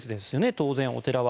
当然、お寺は。